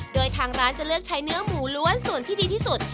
โดยทางร้านจะเลือกใช้เนื้อหมูล้วนส่วนที่ดีที่สุด